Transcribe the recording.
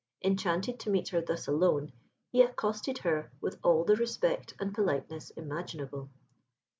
Enchanted to meet her thus alone, he accosted her with all the respect and politeness imaginable.